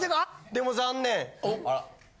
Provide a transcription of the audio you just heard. でも残念。